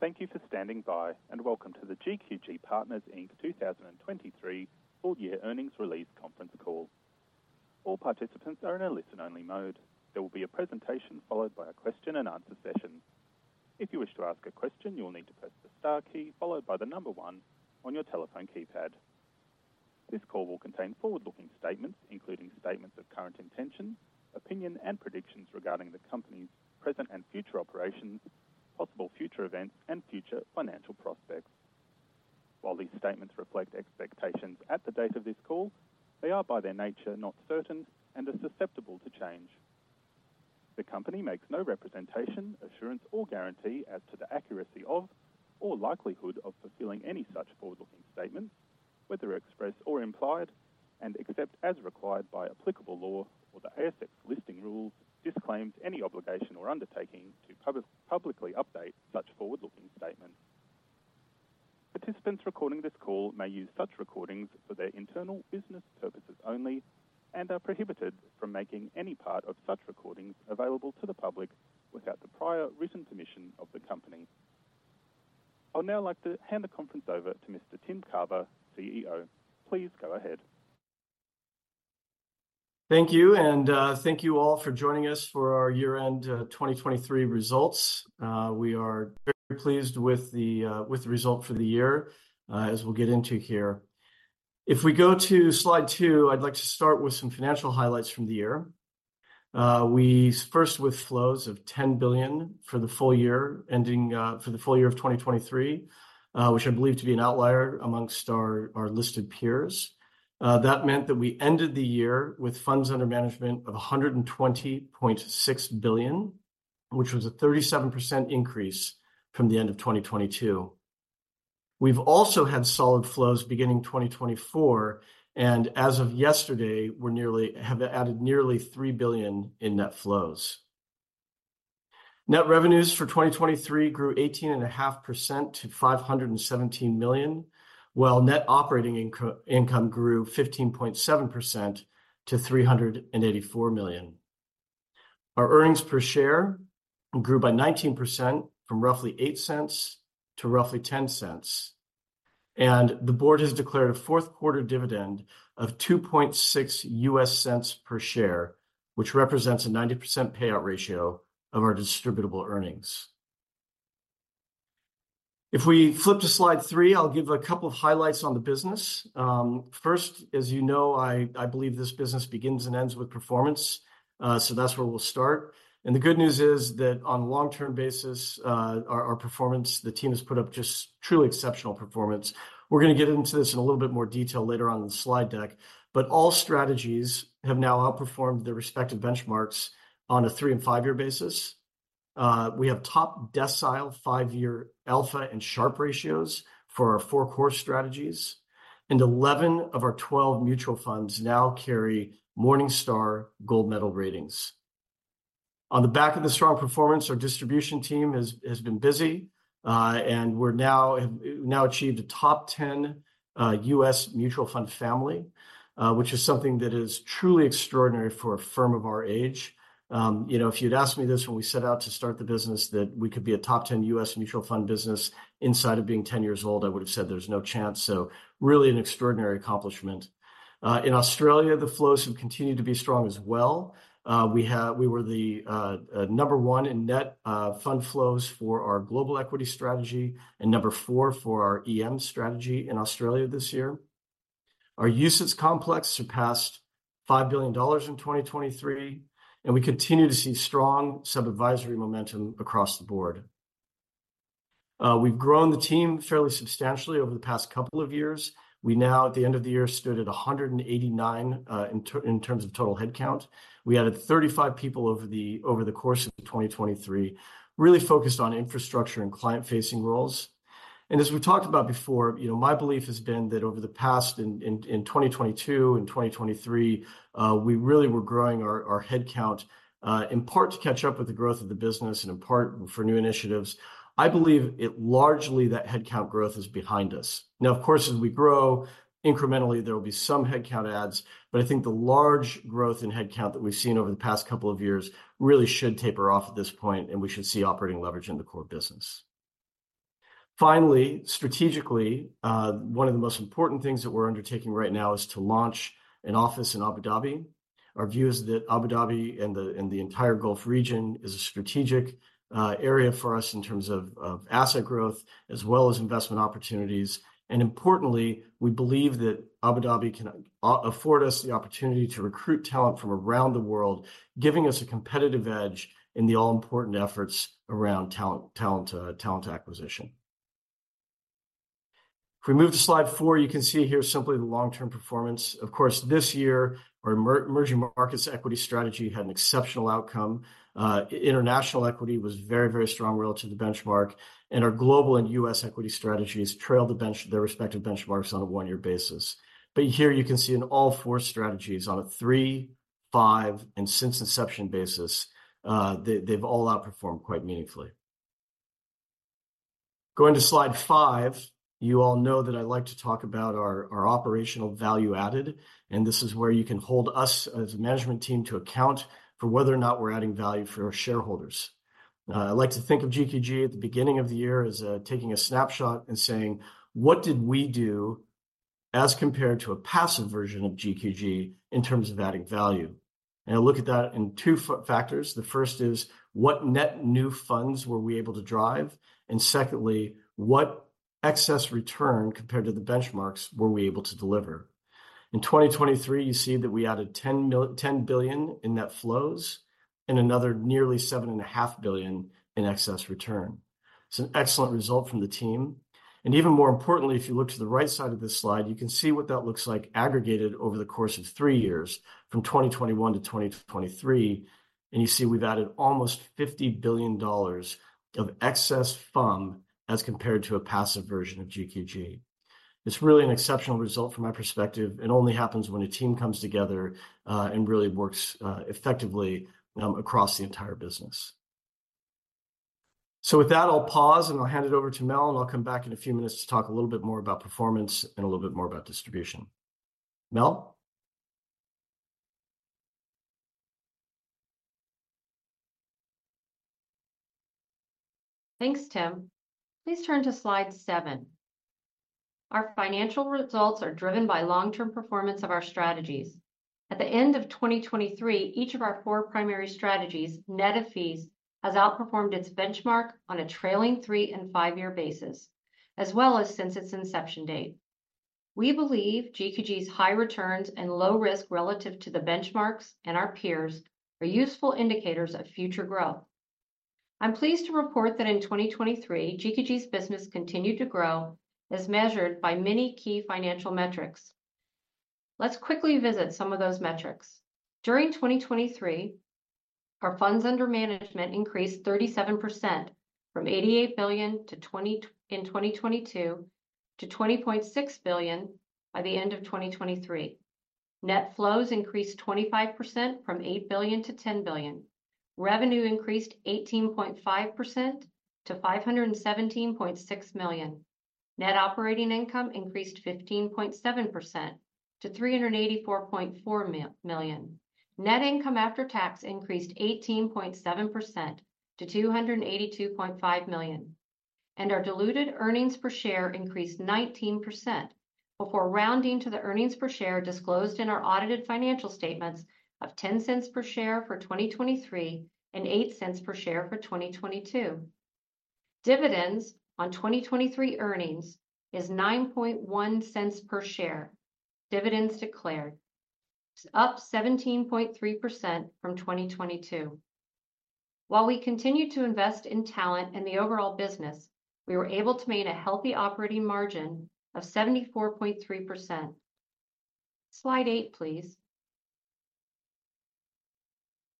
Thank you for standing by and welcome to the GQG Partners Inc. 2023 full-year earnings release conference call. All participants are in a listen-only mode. There will be a presentation followed by a question-and-answer session. If you wish to ask a question, you'll need to press the star key followed by the number one on your telephone keypad. This call will contain forward-looking statements including statements of current intention, opinion, and predictions regarding the company's present and future operations, possible future events, and future financial prospects. While these statements reflect expectations at the date of this call, they are by their nature not certain and are susceptible to change. The company makes no representation, assurance, or guarantee as to the accuracy of, or likelihood of, fulfilling any such forward-looking statements, whether express or implied, and except as required by applicable law or the ASX Listing Rules, disclaims any obligation or undertaking to publicly update such forward-looking statements. Participants recording this call may use such recordings for their internal business purposes only and are prohibited from making any part of such recordings available to the public without the prior written permission of the company. I'd now like to hand the conference over to Mr. Tim Carver, CEO. Please go ahead. Thank you, and thank you all for joining us for our year-end 2023 results. We are very pleased with the result for the year as we'll get into here. If we go to Slide 2, I'd like to start with some financial highlights from the year. We first with flows of $10 billion for the full year ending for the full year of 2023, which I believe to be an outlier amongst our listed peers. That meant that we ended the year with funds under management of $120.6 billion, which was a 37% increase from the end of 2022. We've also had solid flows beginning 2024, and as of yesterday, we're nearly have added nearly $3 billion in net flows. Net revenues for 2023 grew 18.5% to $517 million, while net operating income grew 15.7% to $384 million. Our earnings per share grew by 19% from roughly $0.08 to roughly $0.10, and the board has declared a fourth-quarter dividend of $0.026 per share, which represents a 90% payout ratio of our distributable earnings. If we flip to Slide 3, I'll give a couple of highlights on the business. First, as you know, I believe this business begins and ends with performance, so that's where we'll start. The good news is that on a long-term basis, our performance the team has put up just truly exceptional performance. We're going to get into this in a little bit more detail later on in the slide deck, but all strategies have now outperformed their respective benchmarks on a three- and five-year basis. We have top-decile 5-year Alpha and Sharpe ratios for our four core strategies, and 11 of our 12 mutual funds now carry Morningstar gold medal ratings. On the back of the strong performance, our distribution team has been busy, and we've now achieved a top 10 U.S. mutual FUM family, which is something that is truly extraordinary for a firm of our age. You know, if you'd asked me this when we set out to start the business, that we could be a top 10 U.S. mutual FUM business inside of being 10 years old, I would have said there's no chance. So really an extraordinary accomplishment. In Australia, the flows have continued to be strong as well. We were the number 1 in net FUM flows for our global equity strategy and number 4 for our EM strategy in Australia this year. Our UCITS complex surpassed $5 billion in 2023, and we continue to see strong subadvisory momentum across the board. We've grown the team fairly substantially over the past couple of years. We now, at the end of the year, stood at 189 in terms of total headcount. We added 35 people over the course of 2023, really focused on infrastructure and client-facing roles. And as we've talked about before, you know, my belief has been that over the past in 2022 and 2023, we really were growing our headcount in part to catch up with the growth of the business and in part for new initiatives. I believe largely that headcount growth is behind us. Now, of course, as we grow incrementally, there will be some headcount adds, but I think the large growth in headcount that we've seen over the past couple of years really should taper off at this point, and we should see operating leverage in the core business. Finally, strategically, one of the most important things that we're undertaking right now is to launch an office in Abu Dhabi. Our view is that Abu Dhabi and the entire Gulf region is a strategic area for us in terms of asset growth as well as investment opportunities. Importantly, we believe that Abu Dhabi can afford us the opportunity to recruit talent from around the world, giving us a competitive edge in the all-important efforts around talent acquisition. If we move to Slide 4, you can see here simply the long-term performance. Of course, this year, our emerging markets equity strategy had an exceptional outcome. International equity was very, very strong relative to the benchmark, and our global and U.S. equity strategies trailed their respective benchmarks on a one-year basis. But here you can see in all four strategies on a three, five, and since inception basis, they've all outperformed quite meaningfully. Going to Slide 5, you all know that I like to talk about our operational value added, and this is where you can hold us as a management team to account for whether or not we're adding value for our shareholders. I like to think of GQG at the beginning of the year as taking a snapshot and saying, "What did we do as compared to a passive version of GQG in terms of adding value?" I look at that in two factors. The first is what net new funds were we able to drive? And secondly, what excess return compared to the benchmarks were we able to deliver? In 2023, you see that we added $10 billion in net flows and another nearly $7.5 billion in excess return. It's an excellent result from the team. And even more importantly, if you look to the right side of this slide, you can see what that looks like aggregated over the course of three years from 2021-2023. And you see we've added almost $50 billion of excess FUM as compared to a passive version of GQG. It's really an exceptional result from my perspective. It only happens when a team comes together and really works effectively across the entire business. With that, I'll pause, and I'll hand it over to Mel, and I'll come back in a few minutes to talk a little bit more about performance and a little bit more about distribution. Mel? Thanks, Tim. Please turn to Slide 7. Our financial results are driven by long-term performance of our strategies. At the end of 2023, each of our four primary strategies, net of fees, has outperformed its benchmark on a trailing three- and five-year basis, as well as since its inception date. We believe GQG's high returns and low risk relative to the benchmarks and our peers are useful indicators of future growth. I'm pleased to report that in 2023, GQG's business continued to grow as measured by many key financial metrics. Let's quickly visit some of those metrics. During 2023, our funds under management increased 37% from $88 billion in 2022 to $20.6 billion by the end of 2023. Net flows increased 25% from $8 billion to $10 billion. Revenue increased 18.5% to $517.6 million. Net operating income increased 15.7% to $384.4 million. Net income after tax increased 18.7% to $282.5 million. Our diluted earnings per share increased 19% before rounding to the earnings per share disclosed in our audited financial statements of $0.10 per share for 2023 and $0.08 per share for 2022. Dividends on 2023 earnings is $0.091 per share, dividends declared, up 17.3% from 2022. While we continue to invest in talent and the overall business, we were able to maintain a healthy operating margin of 74.3%. Slide 8, please.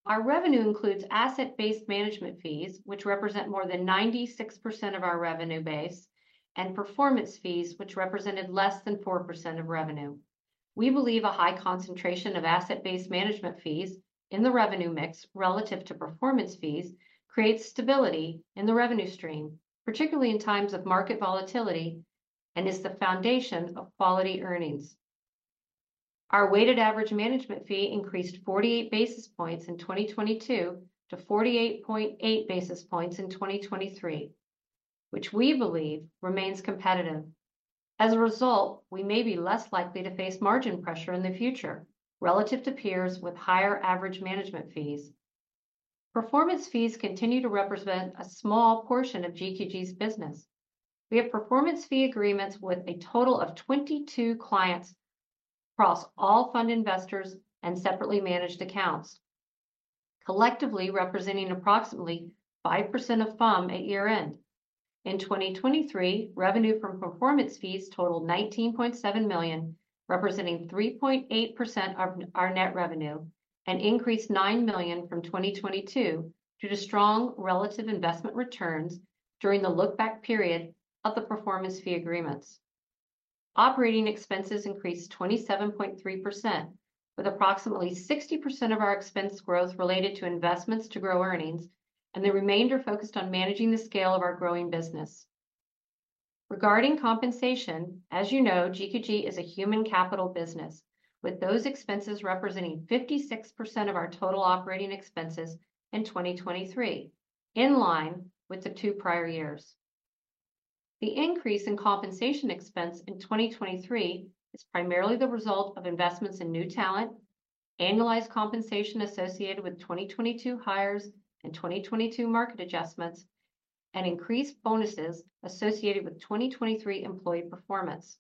Our revenue includes asset-based management fees, which represent more than 96% of our revenue base, and performance fees, which represented less than 4% of revenue. We believe a high concentration of asset-based management fees in the revenue mix relative to performance fees creates stability in the revenue stream, particularly in times of market volatility, and is the foundation of quality earnings. Our weighted average management fee increased 48 basis points in 2022 to 48.8 basis points in 2023, which we believe remains competitive. As a result, we may be less likely to face margin pressure in the future relative to peers with higher average management fees. Performance fees continue to represent a small portion of GQG's business. We have performance fee agreements with a total of 22 clients across all FUM investors and separately managed accounts, collectively representing approximately 5% of FUM at year-end. In 2023, revenue from performance fees totaled $19.7 million, representing 3.8% of our net revenue, and increased $9 million from 2022 due to strong relative investment returns during the look-back period of the performance fee agreements. Operating expenses increased 27.3%, with approximately 60% of our expense growth related to investments to grow earnings, and the remainder focused on managing the scale of our growing business. Regarding compensation, as you know, GQG is a human capital business, with those expenses representing 56% of our total operating expenses in 2023, in line with the two prior years. The increase in compensation expense in 2023 is primarily the result of investments in new talent, annualized compensation associated with 2022 hires and 2022 market adjustments, and increased bonuses associated with 2023 employee performance.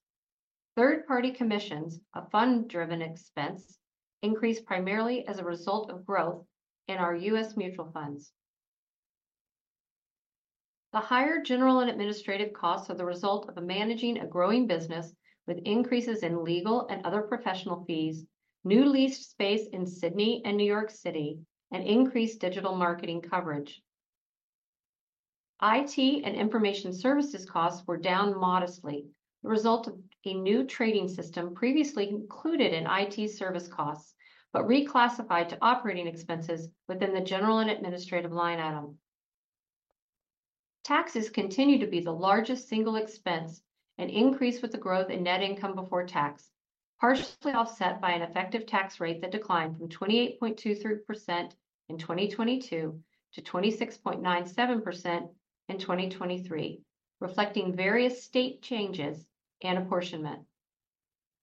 Third-party commissions, a FUM-driven expense, increased primarily as a result of growth in our U.S. mutual funds. The higher general and administrative costs are the result of managing a growing business with increases in legal and other professional fees, new leased space in Sydney and New York City, and increased digital marketing coverage. IT and information services costs were down modestly, the result of a new trading system previously included in IT service costs but reclassified to operating expenses within the general and administrative line item. Taxes continue to be the largest single expense and increase with the growth in net income before tax, partially offset by an effective tax rate that declined from 28.23% in 2022 to 26.97% in 2023, reflecting various state changes and apportionment.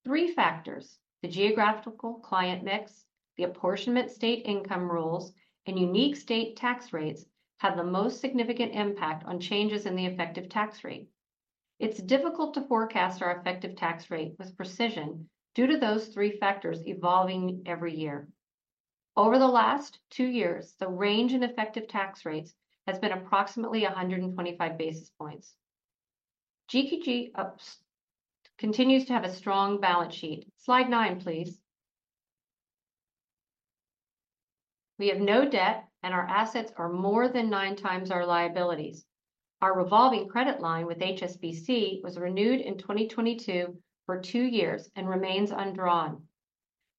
Three factors, the geographical client mix, the apportionment state income rules, and unique state tax rates have the most significant impact on changes in the effective tax rate. It's difficult to forecast our effective tax rate with precision due to those three factors evolving every year. Over the last two years, the range in effective tax rates has been approximately 125 basis points. GQG continues to have a strong balance sheet. Slide 9, please. We have no debt, and our assets are more than nine times our liabilities. Our revolving credit line with HSBC was renewed in 2022 for two years and remains undrawn.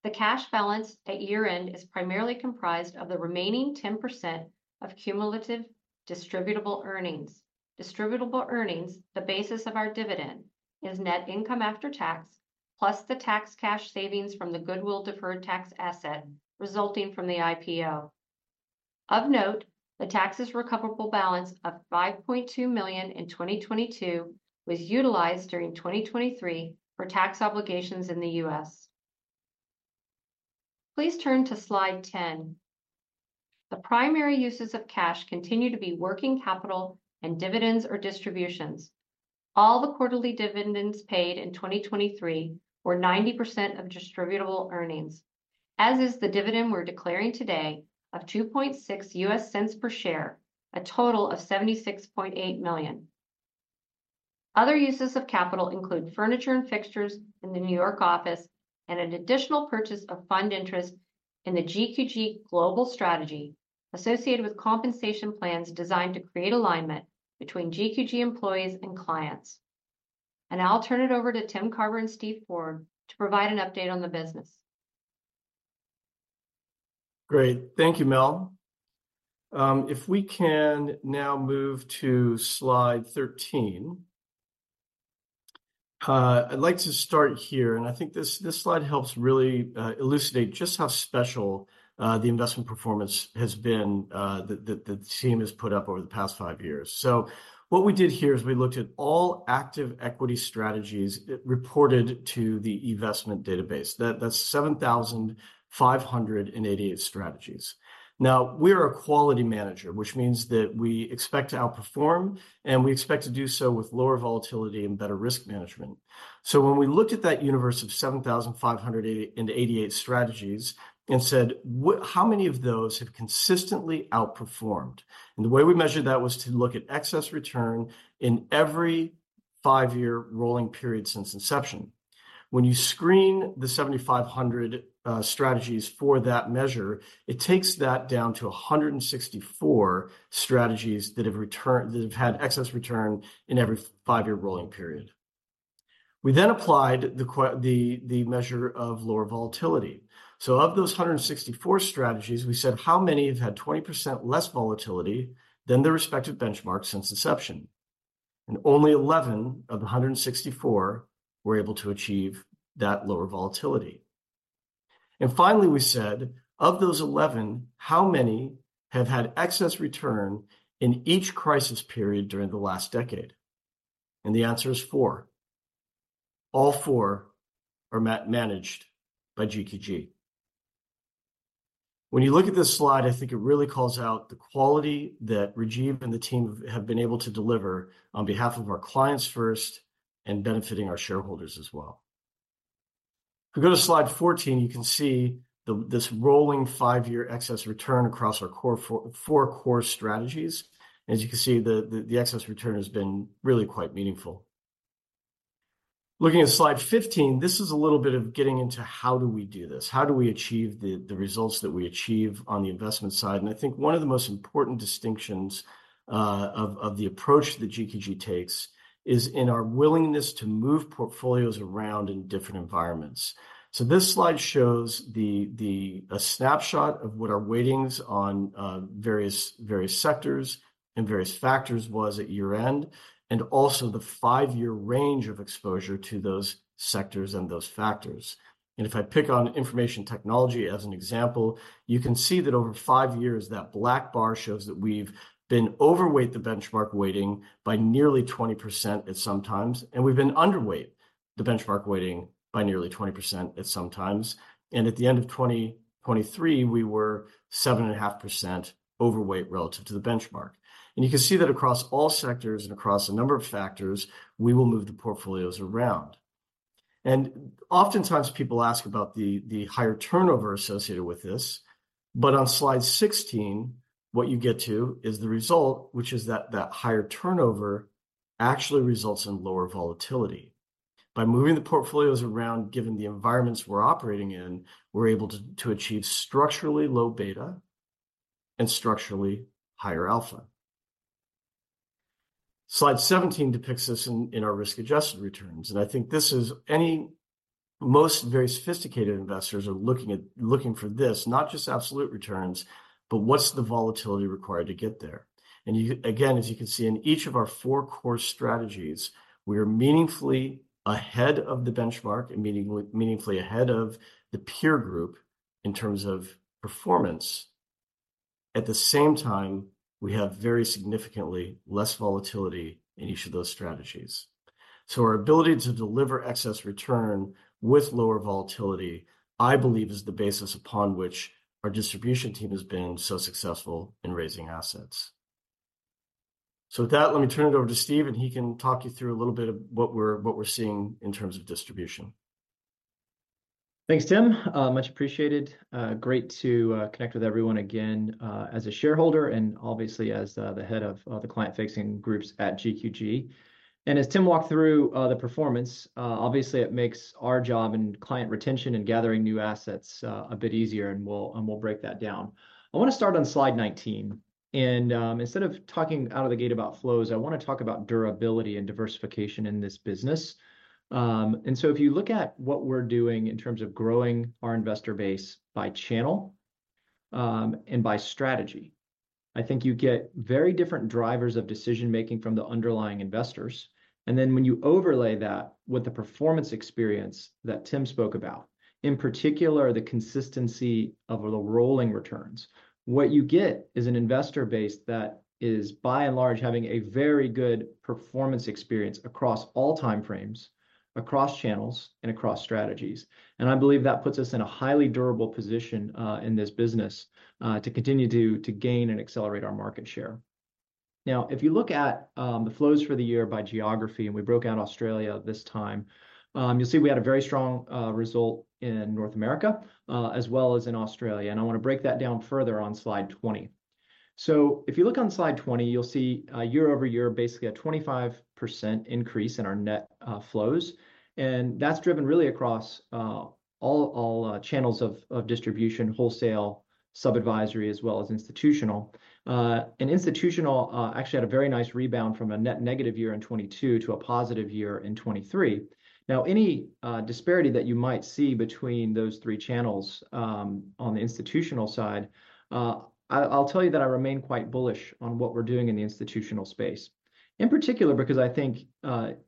The cash balance at year-end is primarily comprised of the remaining 10% of cumulative distributable earnings. Distributable earnings, the basis of our dividend, is net income after tax plus the tax cash savings from the goodwill deferred tax asset resulting from the IPO. Of note, the taxes recoverable balance of $5.2 million in 2022 was utilized during 2023 for tax obligations in the U.S. Please turn to Slide 10. The primary uses of cash continue to be working capital and dividends or distributions. All the quarterly dividends paid in 2023 were 90% of distributable earnings, as is the dividend we're declaring today of $0.026 per share, a total of $76.8 million. Other uses of capital include furniture and fixtures in the New York office and an additional purchase of FUM interest in the GQG global strategy associated with compensation plans designed to create alignment between GQG employees and clients. I'll turn it over to Tim Carver and Steve Ford to provide an update on the business. Great. Thank you, Mel. If we can now move to Slide 13, I'd like to start here, and I think this slide helps really elucidate just how special the investment performance has been that the team has put up over the past five years. So what we did here is we looked at all active equity strategies reported to the eVestment database. That's 7,588 strategies. Now, we are a quality manager, which means that we expect to outperform, and we expect to do so with lower volatility and better risk management. So when we looked at that universe of 7,588 strategies and said, "How many of those have consistently outperformed?" And the way we measured that was to look at excess return in every five-year rolling period since inception. When you screen the 7,500 strategies for that measure, it takes that down to 164 strategies that have had excess return in every five-year rolling period. We then applied the measure of lower volatility. Of those 164 strategies, we said, "How many have had 20% less volatility than their respective benchmarks since inception?" Only 11 of the 164 were able to achieve that lower volatility. Finally, we said, "Of those 11, how many have had excess return in each crisis period during the last decade?" The answer is four. All four are managed by GQG. When you look at this slide, I think it really calls out the quality that Rajiv and the team have been able to deliver on behalf of our clients first and benefiting our shareholders as well. If we go to Slide 14, you can see this rolling five-year excess return across our four core strategies. As you can see, the excess return has been really quite meaningful. Looking at Slide 15, this is a little bit of getting into how do we do this? How do we achieve the results that we achieve on the investment side? I think one of the most important distinctions of the approach that GQG takes is in our willingness to move portfolios around in different environments. This slide shows a snapshot of what our weightings on various sectors and various factors were at year-end and also the five-year range of exposure to those sectors and those factors. If I pick on information technology as an example, you can see that over five years, that black bar shows that we've been overweight the benchmark weighting by nearly 20% at some times, and we've been underweight the benchmark weighting by nearly 20% at some times. At the end of 2023, we were 7.5% overweight relative to the benchmark. You can see that across all sectors and across a number of factors, we will move the portfolios around. And oftentimes, people ask about the higher turnover associated with this, but on Slide 16, what you get to is the result, which is that that higher turnover actually results in lower volatility. By moving the portfolios around, given the environments we're operating in, we're able to achieve structurally low beta and structurally higher alpha. Slide 17 depicts this in our risk-adjusted returns. I think this is what most sophisticated investors are looking for: not just absolute returns, but what's the volatility required to get there? And again, as you can see, in each of our four core strategies, we are meaningfully ahead of the benchmark and meaningfully ahead of the peer group in terms of performance. At the same time, we have very significantly less volatility in each of those strategies. So our ability to deliver excess return with lower volatility, I believe, is the basis upon which our distribution team has been so successful in raising assets. So with that, let me turn it over to Steve, and he can talk you through a little bit of what we're seeing in terms of distribution. Thanks, Tim. Much appreciated. Great to connect with everyone again as a shareholder and obviously as the head of the client-facing groups at GQG. As Tim walked through the performance, obviously, it makes our job in client retention and gathering new assets a bit easier, and we'll break that down. I want to start on Slide 19. Instead of talking out of the gate about flows, I want to talk about durability and diversification in this business. If you look at what we're doing in terms of growing our investor base by channel and by strategy, I think you get very different drivers of decision-making from the underlying investors. And then when you overlay that with the performance experience that Tim spoke about, in particular, the consistency of the rolling returns, what you get is an investor base that is, by and large, having a very good performance experience across all time frames, across channels, and across strategies. And I believe that puts us in a highly durable position in this business to continue to gain and accelerate our market share. Now, if you look at the flows for the year by geography, and we broke out Australia this time, you'll see we had a very strong result in North America as well as in Australia. And I want to break that down further on Slide 20. So if you look on Slide 20, you'll see year-over-year, basically a 25% increase in our net flows. That's driven really across all channels of distribution, wholesale, sub-advisory, as well as institutional. Institutional actually had a very nice rebound from a net negative year in 2022 to a positive year in 2023. Now, any disparity that you might see between those three channels on the institutional side, I'll tell you that I remain quite bullish on what we're doing in the institutional space, in particular because I think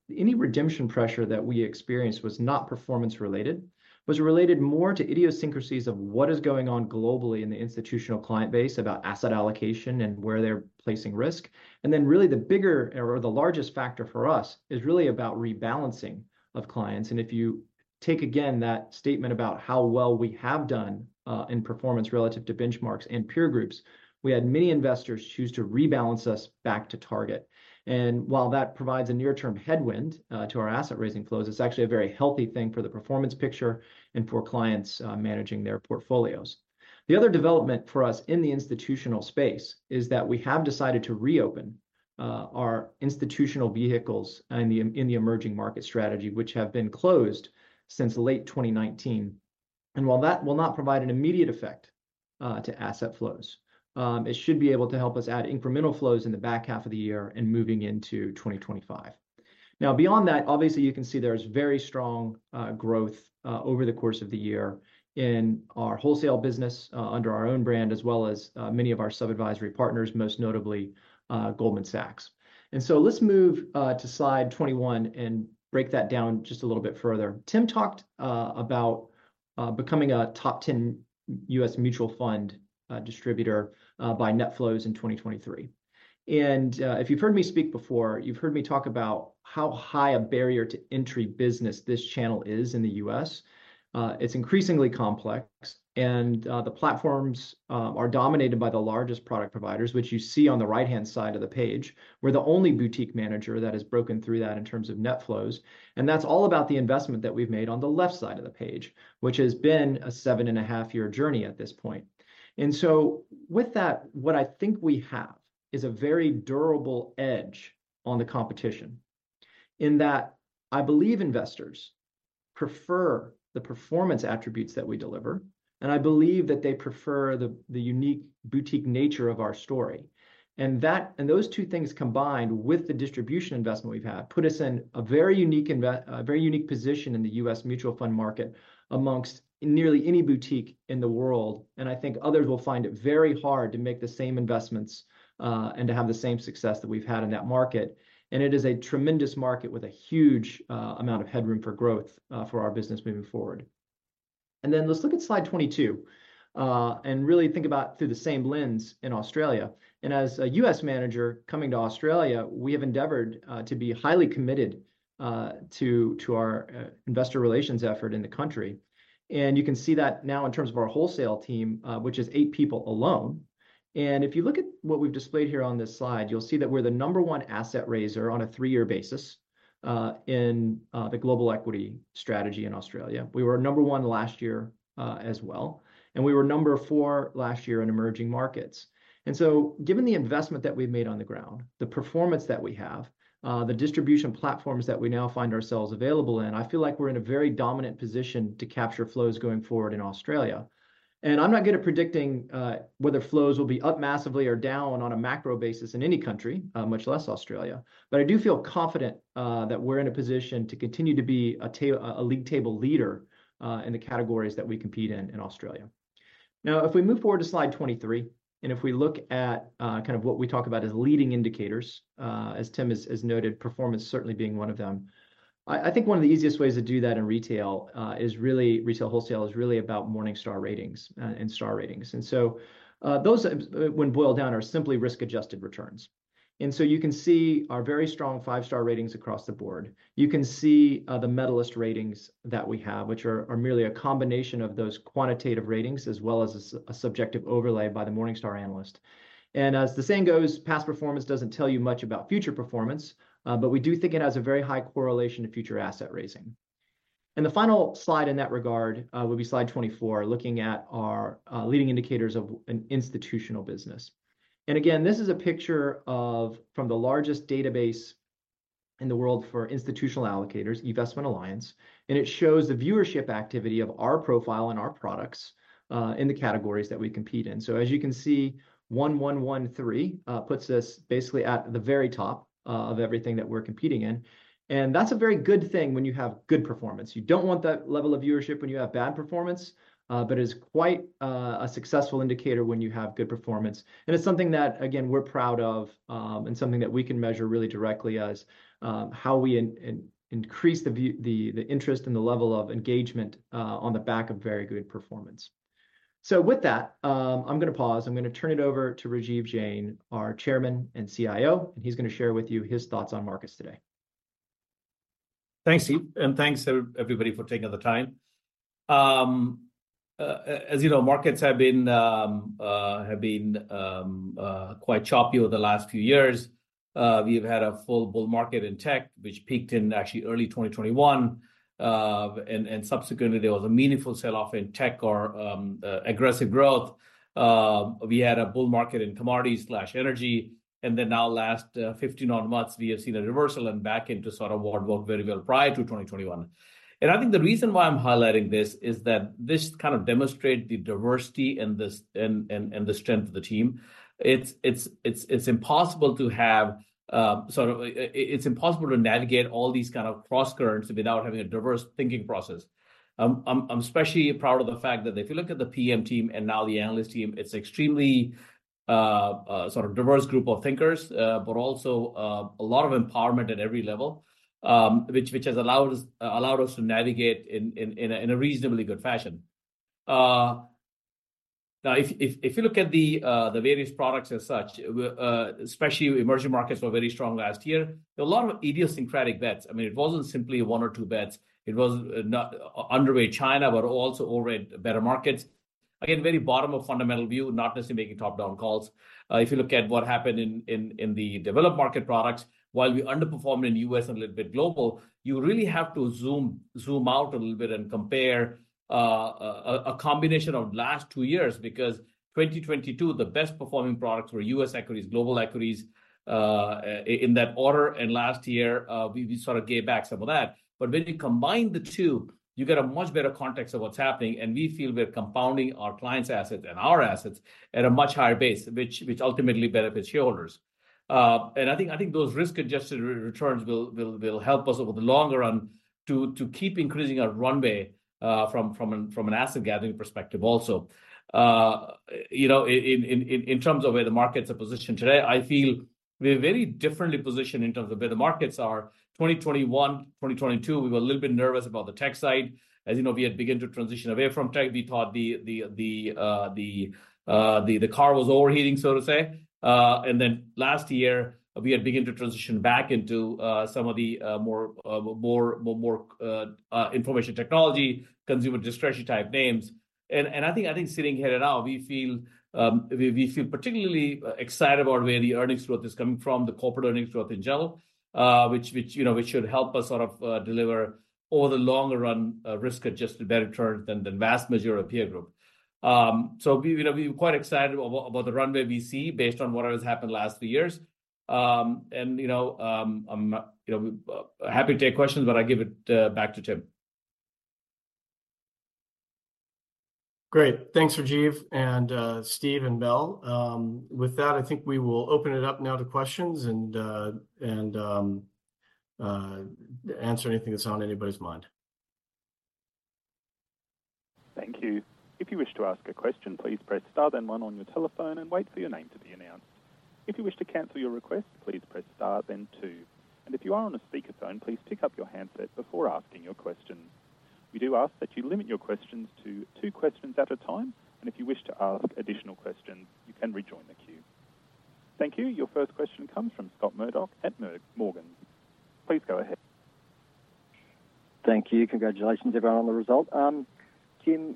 any redemption pressure that we experienced was not performance-related, was related more to idiosyncrasies of what is going on globally in the institutional client base about asset allocation and where they're placing risk. Then really, the bigger or the largest factor for us is really about rebalancing of clients. If you take again that statement about how well we have done in performance relative to benchmarks and peer groups, we had many investors choose to rebalance us back to target. While that provides a near-term headwind to our asset-raising flows, it's actually a very healthy thing for the performance picture and for clients managing their portfolios. The other development for us in the institutional space is that we have decided to reopen our institutional vehicles in the emerging market strategy, which have been closed since late 2019. While that will not provide an immediate effect to asset flows, it should be able to help us add incremental flows in the back half of the year and moving into 2025. Now, beyond that, obviously, you can see there's very strong growth over the course of the year in our wholesale business under our own brand, as well as many of our sub-advisory partners, most notably Goldman Sachs. And so let's move to Slide 21 and break that down just a little bit further. Tim talked about becoming a top 10 U.S. mutual FUM distributor by net flows in 2023. And if you've heard me speak before, you've heard me talk about how high a barrier to entry business this channel is in the U.S. It's increasingly complex, and the platforms are dominated by the largest product providers, which you see on the right-hand side of the page. We're the only boutique manager that has broken through that in terms of net flows. That's all about the investment that we've made on the left side of the page, which has been a 7.5-year journey at this point. So with that, what I think we have is a very durable edge on the competition in that I believe investors prefer the performance attributes that we deliver, and I believe that they prefer the unique boutique nature of our story. Those two things combined with the distribution investment we've had put us in a very unique position in the U.S. mutual FUM market amongst nearly any boutique in the world. I think others will find it very hard to make the same investments and to have the same success that we've had in that market. It is a tremendous market with a huge amount of headroom for growth for our business moving forward. Then let's look at Slide 22 and really think about through the same lens in Australia. As a U.S. manager coming to Australia, we have endeavored to be highly committed to our investor relations effort in the country. And you can see that now in terms of our wholesale team, which is 8 people alone. And if you look at what we've displayed here on this slide, you'll see that we're the number 1 asset raiser on a 3-year basis in the global equity strategy in Australia. We were number 1 last year as well. And we were number 4 last year in emerging markets. And so given the investment that we've made on the ground, the performance that we have, the distribution platforms that we now find ourselves available in, I feel like we're in a very dominant position to capture flows going forward in Australia. I'm not good at predicting whether flows will be up massively or down on a macro basis in any country, much less Australia. I do feel confident that we're in a position to continue to be a league table leader in the categories that we compete in in Australia. Now, if we move forward to Slide 23, and if we look at kind of what we talk about as leading indicators, as Tim has noted, performance certainly being one of them, I think one of the easiest ways to do that in retail is really retail wholesale is really about Morningstar ratings and star ratings. So those, when boiled down, are simply risk-adjusted returns. You can see our very strong five-star ratings across the board. You can see the medalist ratings that we have, which are merely a combination of those quantitative ratings as well as a subjective overlay by the Morningstar analyst. As the saying goes, past performance doesn't tell you much about future performance, but we do think it has a very high correlation to future asset raising. The final slide in that regard would be Slide 24, looking at our leading indicators of an institutional business. Again, this is a picture from the largest database in the world for institutional allocators, eVestment. It shows the viewership activity of our profile and our products in the categories that we compete in. So as you can see, 1113 puts us basically at the very top of everything that we're competing in. That's a very good thing when you have good performance. You don't want that level of viewership when you have bad performance, but it is quite a successful indicator when you have good performance. And it's something that, again, we're proud of and something that we can measure really directly as how we increase the interest and the level of engagement on the back of very good performance. So with that, I'm going to pause. I'm going to turn it over to Rajiv Jain, our Chairman and CIO. And he's going to share with you his thoughts on markets today. Thanks, Steve. Thanks to everybody for taking the time. As you know, markets have been quite choppy over the last few years. We've had a full bull market in tech, which peaked in actually early 2021. Subsequently, there was a meaningful sell-off in tech or aggressive growth. We had a bull market in commodities/energy. Then now, last 15-odd months, we have seen a reversal and back into sort of what worked very well prior to 2021. I think the reason why I'm highlighting this is that this kind of demonstrates the diversity and the strength of the team. It's impossible to navigate all these kind of cross-currents without having a diverse thinking process. I'm especially proud of the fact that if you look at the PM team and now the analyst team, it's an extremely sort of diverse group of thinkers, but also a lot of empowerment at every level, which has allowed us to navigate in a reasonably good fashion. Now, if you look at the various products as such, especially emerging markets were very strong last year. There were a lot of idiosyncratic bets. I mean, it wasn't simply one or two bets. It was underweight China, but also overweight better markets. Again, very bottom-up fundamental view, not necessarily making top-down calls. If you look at what happened in the developed market products, while we underperformed in the U.S. and a little bit global, you really have to zoom out a little bit and compare a combination of the last two years because 2022, the best-performing products were U.S. equities, global equities in that order. Last year, we sort of gave back some of that. When you combine the two, you get a much better context of what's happening. We feel we're compounding our clients' assets and our assets at a much higher base, which ultimately benefits shareholders. I think those risk-adjusted returns will help us over the long run to keep increasing our runway from an asset-gathering perspective also. In terms of where the markets are positioned today, I feel we're very differently positioned in terms of where the markets are. 2021, 2022, we were a little bit nervous about the tech side. As you know, we had begun to transition away from tech. We thought the car was overheating, so to say. And then last year, we had begun to transition back into some of the more information technology, consumer discretion-type names. And I think sitting here now, we feel particularly excited about where the earnings growth is coming from, the corporate earnings growth in general, which should help us sort of deliver over the longer run risk-adjusted, better returns than the vast majority of peer groups. So we're quite excited about the runway we see based on what has happened the last three years. And I'm happy to take questions, but I give it back to Tim. Great. Thanks, Rajiv and Steve and Mel. With that, I think we will open it up now to questions and answer anything that's on anybody's mind. Thank you. If you wish to ask a question, please press star then one on your telephone and wait for your name to be announced. If you wish to cancel your request, please press star then two. If you are on a speakerphone, please pick up your handset before asking your question. We do ask that you limit your questions to two questions at a time. If you wish to ask additional questions, you can rejoin the queue. Thank you. Your first question comes from Scott Murdoch at Morgans. Please go ahead. Thank you. Congratulations, everyone, on the result. Tim,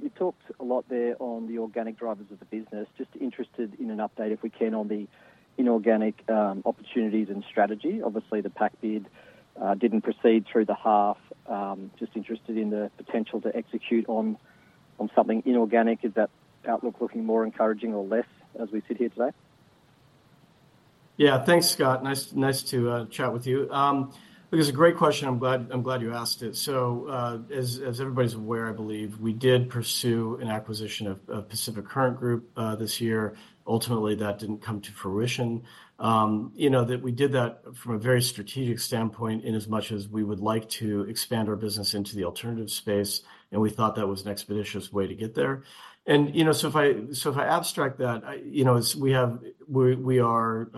you talked a lot there on the organic drivers of the business. Just interested in an update, if we can, on the inorganic opportunities and strategy. Obviously, the PAC bid didn't proceed through the half. Just interested in the potential to execute on something inorganic. Is that outlook looking more encouraging or less as we sit here today? Yeah. Thanks, Scott. Nice to chat with you. It was a great question. I'm glad you asked it. So as everybody's aware, I believe, we did pursue an acquisition of Pacific Current Group this year. Ultimately, that didn't come to fruition. We did that from a very strategic standpoint in as much as we would like to expand our business into the alternative space. And we thought that was an expeditious way to get there. And so if I abstract that, we are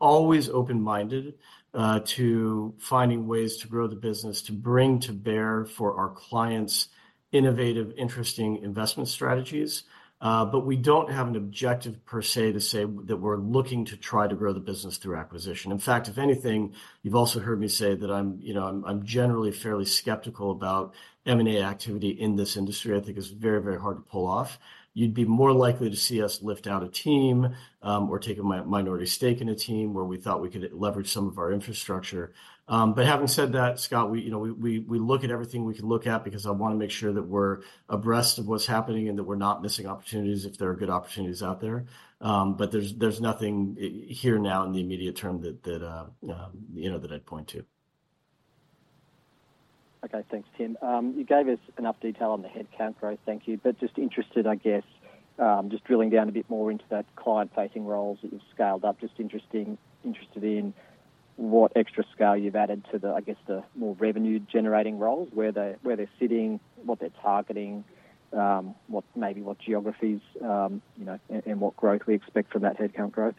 always open-minded to finding ways to grow the business, to bring to bear for our clients' innovative, interesting investment strategies. But we don't have an objective, per se, to say that we're looking to try to grow the business through acquisition. In fact, if anything, you've also heard me say that I'm generally fairly skeptical about M&A activity in this industry. I think it's very, very hard to pull off. You'd be more likely to see us lift out a team or take a minority stake in a team where we thought we could leverage some of our infrastructure. But having said that, Scott, we look at everything we can look at because I want to make sure that we're abreast of what's happening and that we're not missing opportunities if there are good opportunities out there. But there's nothing here now in the immediate term that I'd point to. Okay. Thanks, Tim. You gave us enough detail on the headcount growth. Thank you. But just interested, I guess, just drilling down a bit more into that client-facing roles that you've scaled up. Just interested in what extra scale you've added to, I guess, the more revenue-generating roles, where they're sitting, what they're targeting, maybe what geographies, and what growth we expect from that headcount growth.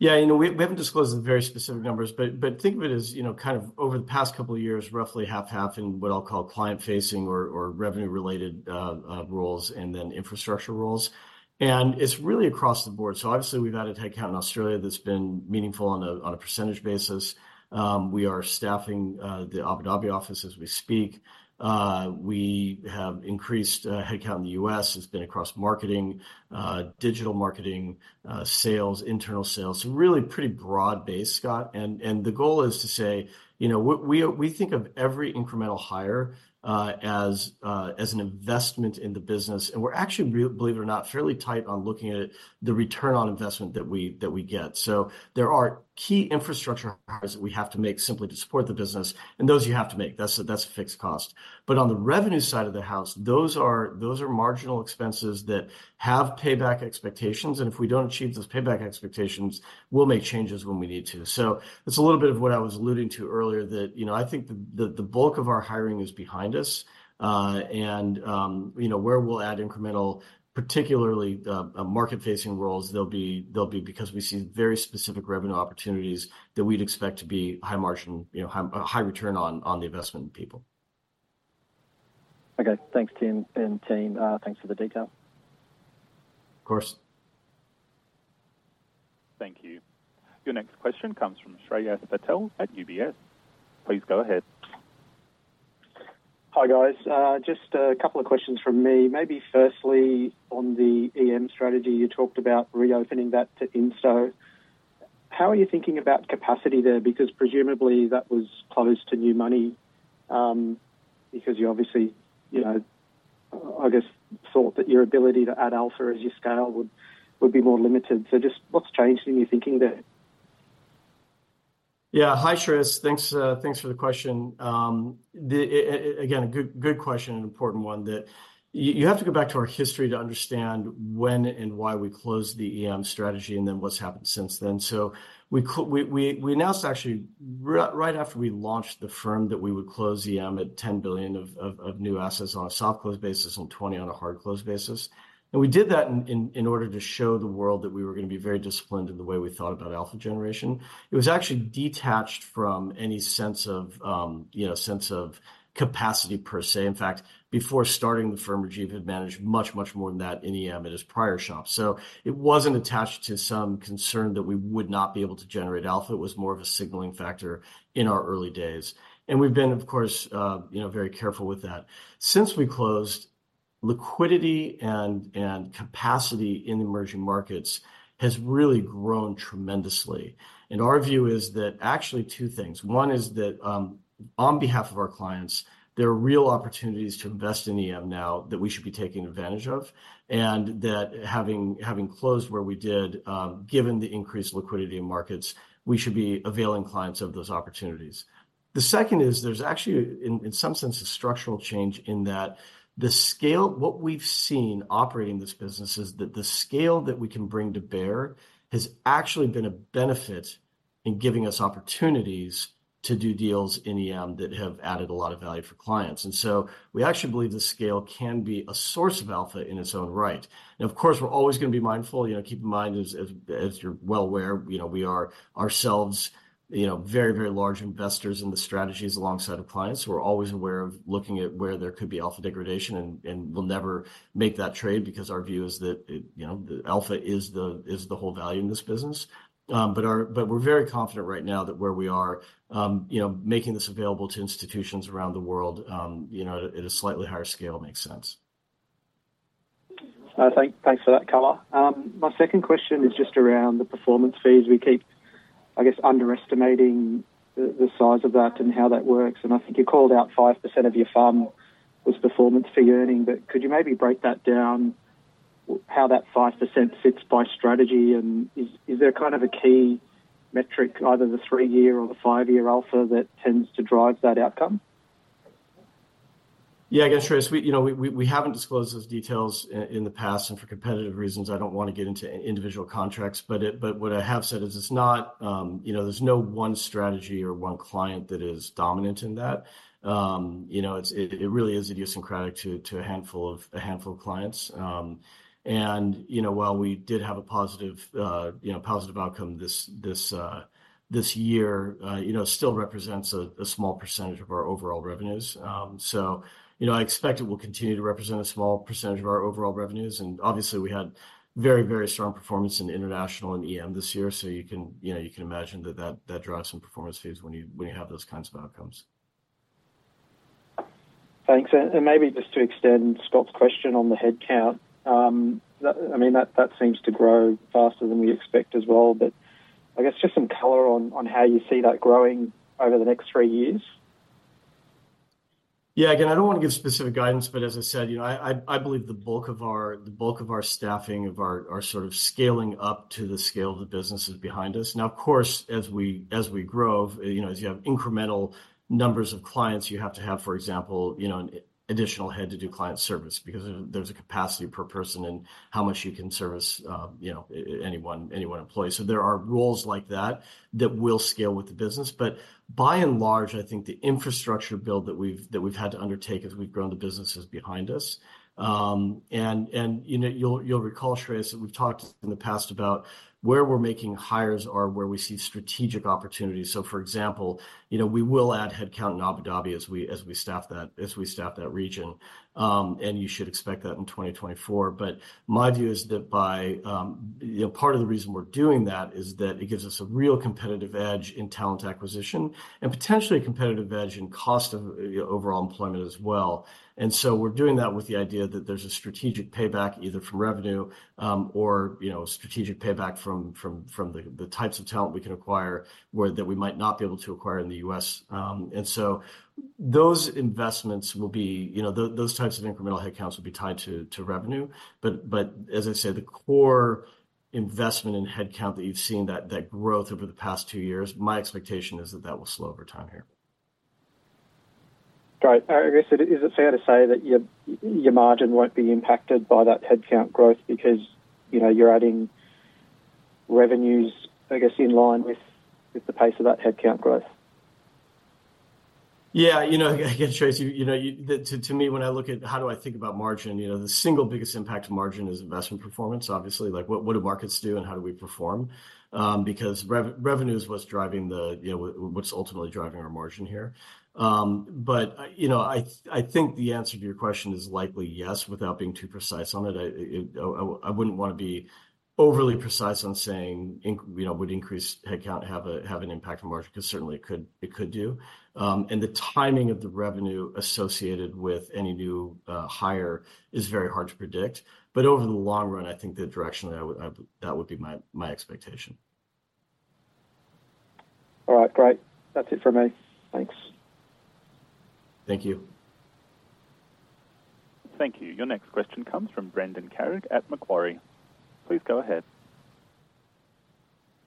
Yeah. We haven't disclosed the very specific numbers, but think of it as kind of over the past couple of years, roughly 50/50 in what I'll call client-facing or revenue-related roles and then infrastructure roles. And it's really across the board. So obviously, we've added headcount in Australia that's been meaningful on a percentage basis. We are staffing the Abu Dhabi office as we speak. We have increased headcount in the U.S. It's been across marketing, digital marketing, sales, internal sales. So really pretty broad-based, Scott. And the goal is to say we think of every incremental hire as an investment in the business. And we're actually, believe it or not, fairly tight on looking at the return on investment that we get. So there are key infrastructure hires that we have to make simply to support the business. And those you have to make. That's a fixed cost. But on the revenue side of the house, those are marginal expenses that have payback expectations. And if we don't achieve those payback expectations, we'll make changes when we need to. So it's a little bit of what I was alluding to earlier that I think the bulk of our hiring is behind us. And where we'll add incremental, particularly market-facing roles, they'll be because we see very specific revenue opportunities that we'd expect to be high-margin, high return on the investment in people. Okay. Thanks, Tim and Jain. Thanks for the detail. Of course. Thank you. Your next question comes from Shreyas Patel at UBS. Please go ahead. Hi, guys. Just a couple of questions from me. Maybe firstly, on the EM strategy, you talked about reopening that to institutional. How are you thinking about capacity there? Because presumably, that was closed to new money because you obviously, I guess, thought that your ability to add alpha as you scale would be more limited. So just what's changed in your thinking there? Yeah. Hi, Shreyas. Thanks for the question. Again, a good question and important one. You have to go back to our history to understand when and why we closed the EM strategy and then what's happened since then. So we announced, actually, right after we launched the firm that we would close EM at $10 billion of new assets on a soft-close basis and $20 billion on a hard-close basis. And we did that in order to show the world that we were going to be very disciplined in the way we thought about alpha generation. It was actually detached from any sense of capacity, per se. In fact, before starting the firm, Rajiv had managed much, much more than that in EM at his prior shop. So it wasn't attached to some concern that we would not be able to generate alpha. It was more of a signaling factor in our early days. We've been, of course, very careful with that. Since we closed, liquidity and capacity in the emerging markets has really grown tremendously. Our view is that actually two things. One is that on behalf of our clients, there are real opportunities to invest in EM now that we should be taking advantage of and that having closed where we did, given the increased liquidity in markets, we should be availing clients of those opportunities. The second is there's actually, in some sense, a structural change in that what we've seen operating this business is that the scale that we can bring to bear has actually been a benefit in giving us opportunities to do deals in EM that have added a lot of value for clients. So we actually believe the scale can be a source of alpha in its own right. Of course, we're always going to be mindful. Keep in mind, as you're well aware, we are ourselves very, very large investors in the strategies alongside of clients. We're always aware of looking at where there could be alpha degradation and we'll never make that trade because our view is that the alpha is the whole value in this business. We're very confident right now that where we are making this available to institutions around the world at a slightly higher scale makes sense. Thanks for that, color. My second question is just around the performance fees. We keep, I guess, underestimating the size of that and how that works. And I think you called out 5% of your firm was performance-fee earning. But could you maybe break that down, how that 5% sits by strategy? And is there kind of a key metric, either the three-year or the five-year alpha, that tends to drive that outcome? Yeah. I guess, Shreyas, we haven't disclosed those details in the past. For competitive reasons, I don't want to get into individual contracts. But what I have said is there's no one strategy or one client that is dominant in that. It really is idiosyncratic to a handful of clients. While we did have a positive outcome this year, it still represents a small percentage of our overall revenues. So I expect it will continue to represent a small percentage of our overall revenues. And obviously, we had very, very strong performance in international and EM this year. So you can imagine that that drives some performance fees when you have those kinds of outcomes. Thanks. Maybe just to extend Scott's question on the headcount, I mean, that seems to grow faster than we expect as well. I guess just some color on how you see that growing over the next three years? Yeah. Again, I don't want to give specific guidance. But as I said, I believe the bulk of our staffing of our sort of scaling up to the scale of the business is behind us. Now, of course, as we grow, as you have incremental numbers of clients, you have to have, for example, an additional head to do client service because there's a capacity per person and how much you can service any one employee. So there are rules like that that will scale with the business. But by and large, I think the infrastructure build that we've had to undertake as we've grown the business is behind us. And you'll recall, Shreyas, that we've talked in the past about where we're making hires are where we see strategic opportunities. So for example, we will add headcount in Abu Dhabi as we staff that region. You should expect that in 2024. But my view is that part of the reason we're doing that is that it gives us a real competitive edge in talent acquisition and potentially a competitive edge in cost of overall employment as well. And so we're doing that with the idea that there's a strategic payback either from revenue or strategic payback from the types of talent we can acquire that we might not be able to acquire in the U.S. And so those investments will be those types of incremental headcounts will be tied to revenue. But as I say, the core investment in headcount that you've seen, that growth over the past two years, my expectation is that that will slow over time here. Right. I guess is it fair to say that your margin won't be impacted by that headcount growth because you're adding revenues, I guess, in line with the pace of that headcount growth? Yeah. Again, Shreyas, to me, when I look at how do I think about margin, the single biggest impact of margin is investment performance, obviously. What do markets do and how do we perform? Because revenue is what's driving the what's ultimately driving our margin here. But I think the answer to your question is likely yes without being too precise on it. I wouldn't want to be overly precise on saying would increased headcount have an impact on margin because certainly, it could do. And the timing of the revenue associated with any new hire is very hard to predict. But over the long run, I think the direction that would be my expectation. All right. Great. That's it for me. Thanks. Thank you. Thank you. Your next question comes from Brendan Carrig at Macquarie. Please go ahead.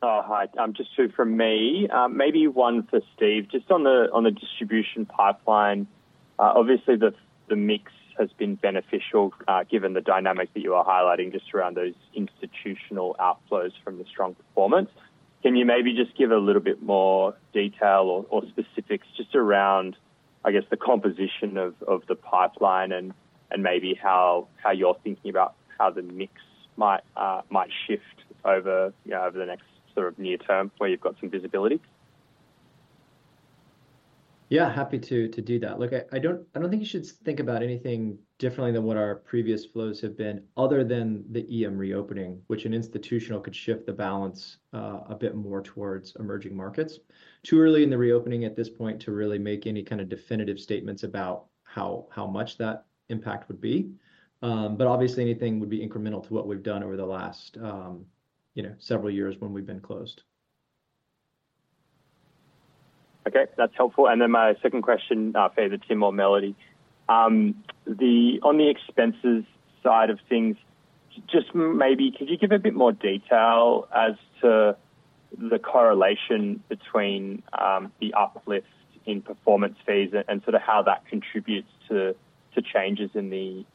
Hi. Just two from me. Maybe one for Steve. Just on the distribution pipeline, obviously, the mix has been beneficial given the dynamics that you are highlighting just around those institutional outflows from the strong performance. Can you maybe just give a little bit more detail or specifics just around, I guess, the composition of the pipeline and maybe how you're thinking about how the mix might shift over the next sort of near term where you've got some visibility? Yeah. Happy to do that. Look, I don't think you should think about anything differently than what our previous flows have been other than the EM reopening, which an institutional could shift the balance a bit more towards emerging markets. Too early in the reopening at this point to really make any kind of definitive statements about how much that impact would be. But obviously, anything would be incremental to what we've done over the last several years when we've been closed. Okay. That's helpful. And then my second question for either Tim or Melodie, on the expenses side of things, just maybe could you give a bit more detail as to the correlation between the uplift in performance fees and sort of how that contributes to changes in the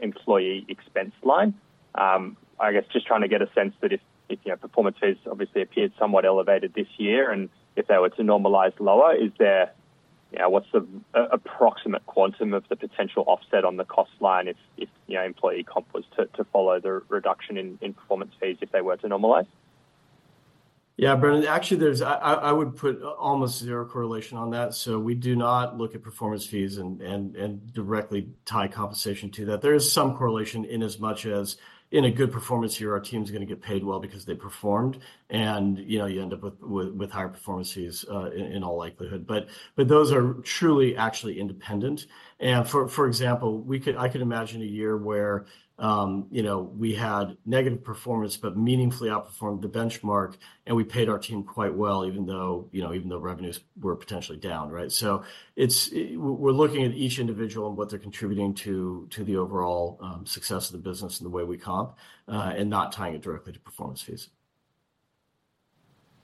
employee expense line? I guess just trying to get a sense that if performance fees obviously appeared somewhat elevated this year and if they were to normalize lower, what's the approximate quantum of the potential offset on the cost line if employee comp was to follow the reduction in performance fees if they were to normalize? Yeah, Brendan. Actually, I would put almost zero correlation on that. So we do not look at performance fees and directly tie compensation to that. There is some correlation inasmuch as in a good performance year, our team's going to get paid well because they performed. And you end up with higher performance fees in all likelihood. But those are truly actually independent. And for example, I could imagine a year where we had negative performance but meaningfully outperformed the benchmark, and we paid our team quite well even though revenues were potentially down, right? So we're looking at each individual and what they're contributing to the overall success of the business and the way we comp and not tying it directly to performance fees.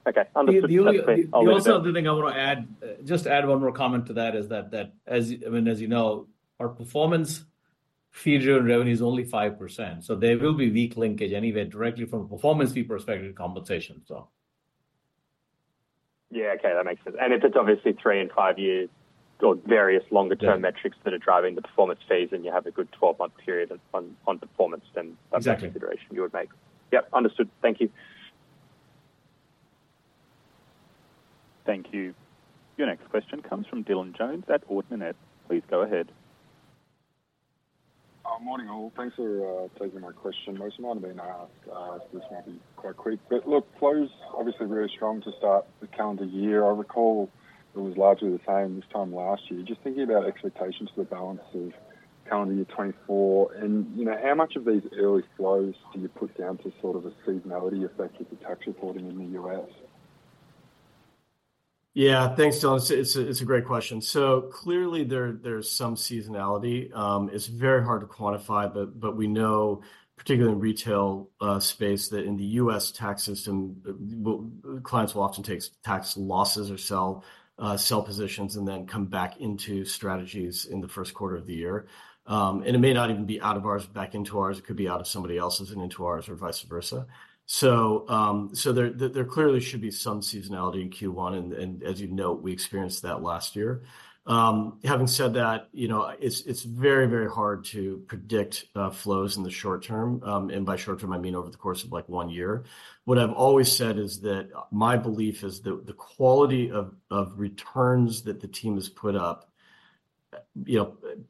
Okay. Understood. Perfectly. I'll leave it. The only other thing I want to add, just add one more comment to that is that, I mean, as you know, our performance fee driven revenue is only 5%. So there will be weak linkage anyway directly from a performance fee perspective to compensation, so. Yeah. Okay. That makes sense. And if it's obviously 3 and 5 years or various longer-term metrics that are driving the performance fees and you have a good 12-month period on performance, then that's a consideration you would make. Yep. Understood. Thank you. Thank you. Your next question comes from Dylan Jones at Ord Minnett. Please go ahead. Morning, all. Thanks for taking my question, Mosemount. I mean, this might be quite quick. But look, flows, obviously, very strong to start the calendar year. I recall it was largely the same this time last year. Just thinking about expectations for the balance of calendar year 2024. How much of these early flows do you put down to sort of a seasonality effect with the tax reporting in the U.S.? Yeah. Thanks, Dylan. It's a great question. So clearly, there's some seasonality. It's very hard to quantify. But we know, particularly in retail space, that in the U.S. tax system, clients will often take tax losses or sell positions and then come back into strategies in the first quarter of the year. And it may not even be out of ours, back into ours. It could be out of somebody else's and into ours or vice versa. So there clearly should be some seasonality in Q1. And as you know, we experienced that last year. Having said that, it's very, very hard to predict flows in the short term. And by short term, I mean over the course of one year. What I've always said is that my belief is that the quality of returns that the team has put up,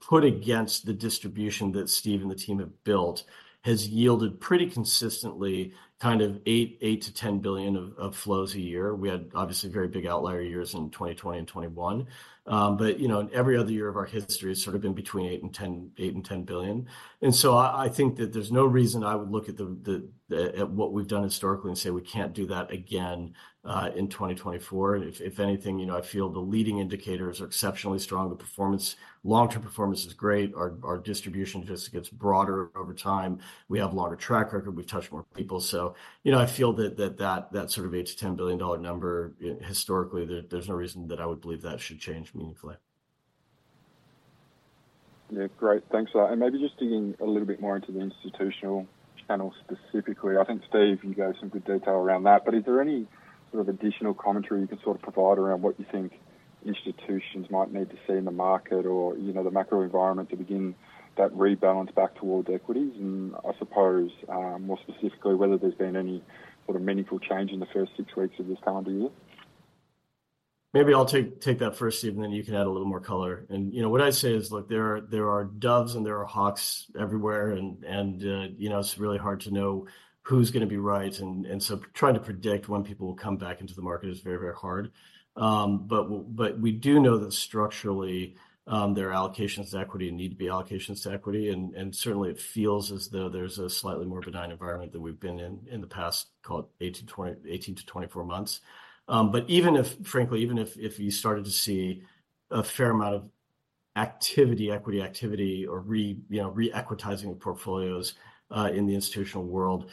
put against the distribution that Steve and the team have built, has yielded pretty consistently kind of $8 billion-$10 billion of flows a year. We had, obviously, very big outlier years in 2020 and 2021. But every other year of our history has sort of been between $8 billion and $10 billion. And so I think that there's no reason I would look at what we've done historically and say we can't do that again in 2024. If anything, I feel the leading indicators are exceptionally strong. The long-term performance is great. Our distribution just gets broader over time. We have a longer track record. We've touched more people. I feel that that sort of $8 billion-$10 billion number, historically, there's no reason that I would believe that should change meaningfully. Yeah. Great. Thanks. And maybe just digging a little bit more into the institutional channel specifically. I think, Steve, you gave some good detail around that. But is there any sort of additional commentary you can sort of provide around what you think institutions might need to see in the market or the macro environment to begin that rebalance back toward equities? And I suppose, more specifically, whether there's been any sort of meaningful change in the first six weeks of this calendar year? Maybe I'll take that first, Steve, and then you can add a little more color. And what I'd say is, look, there are doves and there are hawks everywhere. And it's really hard to know who's going to be right. And so trying to predict when people will come back into the market is very, very hard. But we do know that structurally, there are allocations to equity and need to be allocations to equity. And certainly, it feels as though there's a slightly more benign environment than we've been in the past called 18-24 months. But frankly, even if you started to see a fair amount of equity activity or re-equitizing of portfolios in the institutional world,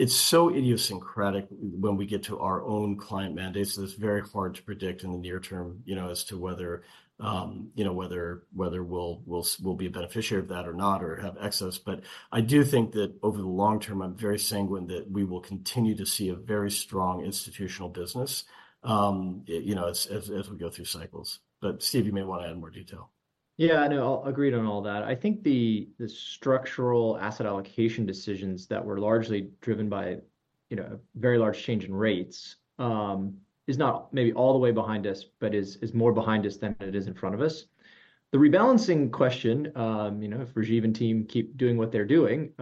it's so idiosyncratic when we get to our own client mandates. It's very hard to predict in the near term as to whether we'll be a beneficiary of that or not or have excess. But I do think that over the long term, I'm very sanguine that we will continue to see a very strong institutional business as we go through cycles. But Steve, you may want to add more detail. Yeah. I know. I'll agree on all that. I think the structural asset allocation decisions that were largely driven by a very large change in rates is not maybe all the way behind us but is more behind us than it is in front of us. The rebalancing question, if Rajiv and team keep doing what they're doing,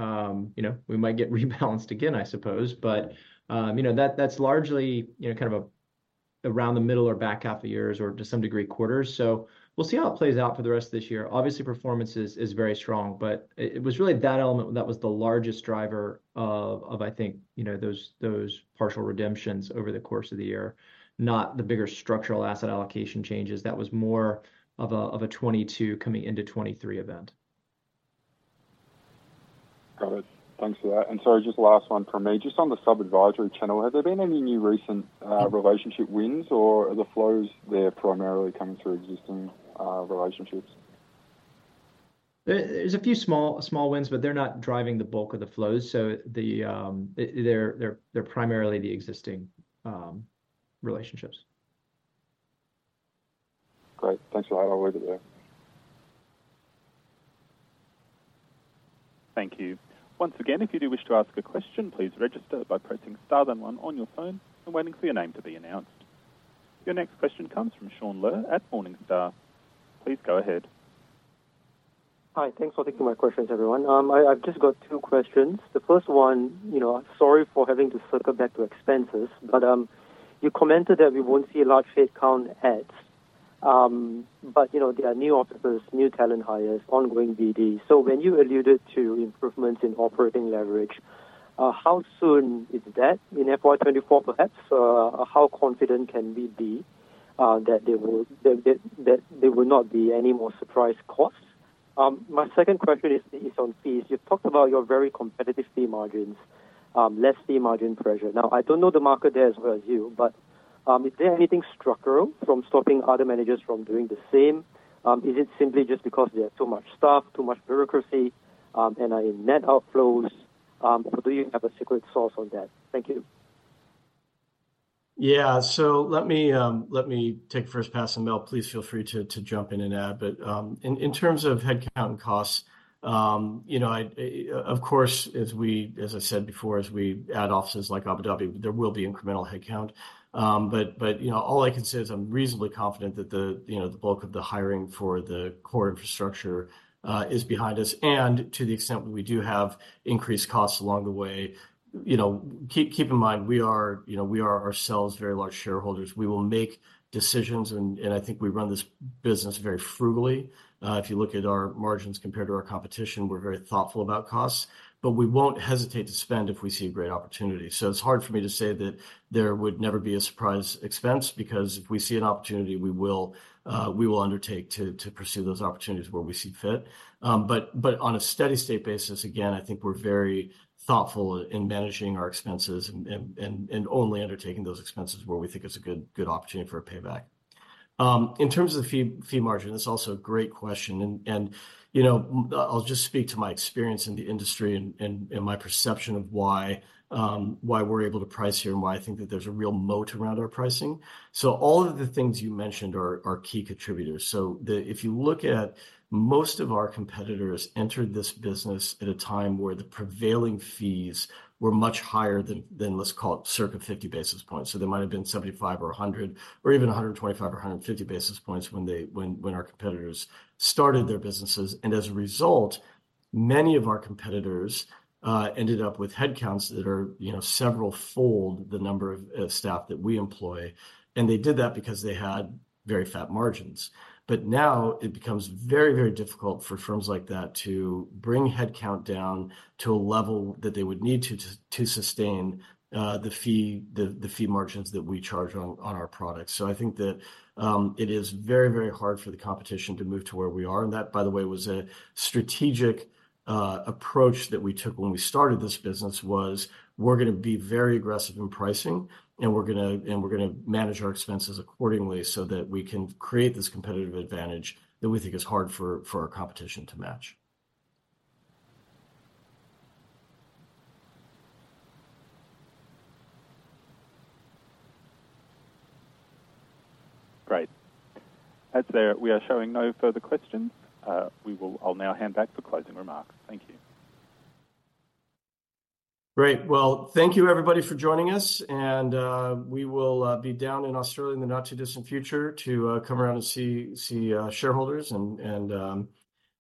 we might get rebalanced again, I suppose. But that's largely kind of around the middle or back half of years or to some degree, quarters. So we'll see how it plays out for the rest of this year. Obviously, performance is very strong. But it was really that element that was the largest driver of, I think, those partial redemptions over the course of the year, not the bigger structural asset allocation changes. That was more of a 2022 coming into 2023 event. Got it. Thanks for that. Sorry, just last one from me. Just on the sub-advisory channel, have there been any new recent relationship wins? Or are the flows there primarily coming through existing relationships? There's a few small wins, but they're not driving the bulk of the flows. So they're primarily the existing relationships. Great. Thanks for that. I'll leave it there. Thank you. Once again, if you do wish to ask a question, please register by pressing star then one on your phone and waiting for your name to be announced. Your next question comes from Shaun Ler at Morningstar. Please go ahead. Hi. Thanks for taking my questions, everyone. I've just got 2 questions. The first one, sorry for having to circle back to expenses. But you commented that we won't see a large headcount add. But there are new officers, new talent hires, ongoing BD. So when you alluded to improvements in operating leverage, how soon is that? In FY 2024, perhaps? How confident can we be that there will not be any more surprise costs? My second question is on fees. You've talked about your very competitive fee margins, less fee margin pressure. Now, I don't know the market there as well as you. But is there anything structural from stopping other managers from doing the same? Is it simply just because there's too much stuff, too much bureaucracy, and are in net outflows? Or do you have a secret sauce on that? Thank you. Yeah. So let me take first pass, and Mel, please feel free to jump in and add. But in terms of headcount and costs, of course, as I said before, as we add offices like Abu Dhabi, there will be incremental headcount. But all I can say is I'm reasonably confident that the bulk of the hiring for the core infrastructure is behind us. And to the extent that we do have increased costs along the way, keep in mind, we are ourselves very large shareholders. We will make decisions. And I think we run this business very frugally. If you look at our margins compared to our competition, we're very thoughtful about costs. But we won't hesitate to spend if we see a great opportunity. It's hard for me to say that there would never be a surprise expense because if we see an opportunity, we will undertake to pursue those opportunities where we see fit. On a steady state basis, again, I think we're very thoughtful in managing our expenses and only undertaking those expenses where we think it's a good opportunity for a payback. In terms of the fee margin, that's also a great question. I'll just speak to my experience in the industry and my perception of why we're able to price here and why I think that there's a real moat around our pricing. All of the things you mentioned are key contributors. If you look at most of our competitors entered this business at a time where the prevailing fees were much higher than, let's call it, circa 50 basis points. So there might have been 75 or 100 or even 125 or 150 basis points when our competitors started their businesses. And as a result, many of our competitors ended up with headcounts that are several-fold the number of staff that we employ. And they did that because they had very fat margins. But now, it becomes very, very difficult for firms like that to bring headcount down to a level that they would need to sustain the fee margins that we charge on our products. So I think that it is very, very hard for the competition to move to where we are. That, by the way, was a strategic approach that we took when we started this business was we're going to be very aggressive in pricing, and we're going to manage our expenses accordingly so that we can create this competitive advantage that we think is hard for our competition to match. Great. That's there. We are showing no further questions. I'll now hand back for closing remarks. Thank you. Great. Well, thank you, everybody, for joining us. And we will be down in Australia in the not too distant future to come around and see shareholders and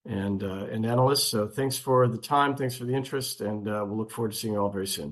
analysts. So thanks for the time. Thanks for the interest. And we'll look forward to seeing you all very soon.